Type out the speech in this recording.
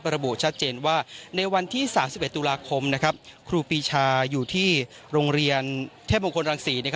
ระบุชัดเจนว่าในวันที่๓๑ตุลาคมครูปีชาอยู่ที่โรงเรียนเทพมงคลรังศรี